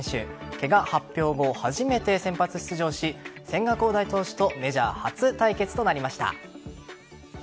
ケガ発表後、初めて先発出場し千賀滉大投手とメジャー初対決となりました。